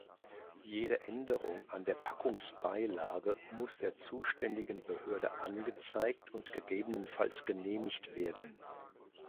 Jede Änderung an der Packungsbeilage muss der zuständigen Behörde angezeigt und gegebenenfalls genehmigt werden.